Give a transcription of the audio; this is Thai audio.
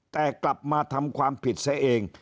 แต่กลับมาทำความผิดซะเอง